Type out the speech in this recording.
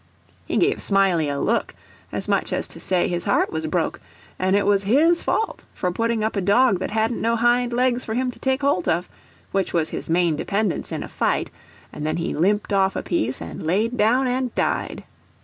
He gave Smiley a look, as much as to say his heart was broke, and it was his fault, for putting up a dog that hadn't no hind legs for him to take holt of, which was his main dependence in a fight, and then he limped off a piece and laid down and died.